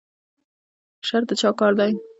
شر د چا کار دی؟